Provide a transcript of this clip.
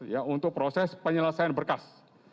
ya untuk proses penyelesaian berkas